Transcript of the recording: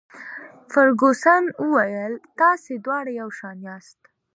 فرګوسن وویل: تاسي دواړه یو شان یاست.